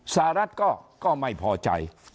สหรัฐก็ไม่พอใจ